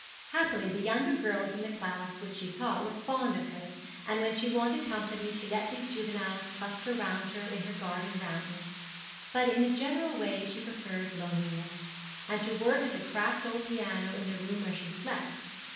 Happily the younger girls in the class which she taught were fond of her, and when she wanted company she let these juveniles cluster round her in her garden rambles; but in a general way she preferred loneliness, and to work at the cracked old piano in the room where she slept.